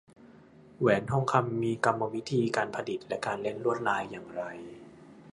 แหวนทองคำมีกรรมวิธีการผลิตและการเล่นลวดลายอย่างไร